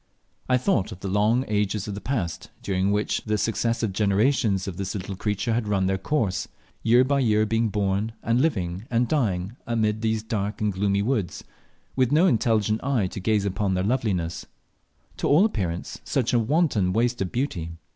I thought of the long ages of the past, during which the successive generations of this little creature had run their course year by year being born, and living and dying amid these dark and gloomy woods, with no intelligent eye to gaze upon their loveliness; to all appearance such a wanton waste of beauty.